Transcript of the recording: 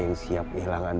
masih hampir bares kemerdekaan